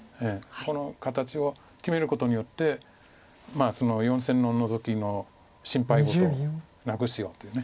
そこの形を決めることによってその４線のノゾキの心配事をなくそうという。